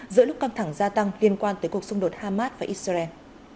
giữa lúc căng thẳng gia tăng liên quan tới cuộc xung đột hamas và israel